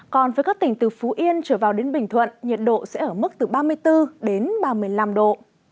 còn với các tỉnh từ phú yên trở vào đến bình thuận nhiệt độ sẽ ở mức từ ba mươi bốn đến ba mươi năm độ